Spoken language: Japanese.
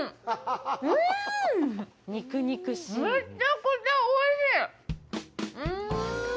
うん、めちゃくちゃおいしい！